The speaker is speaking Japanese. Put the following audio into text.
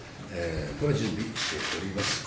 これは準備しております。